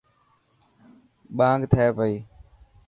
ٻانگ ٿي پئي.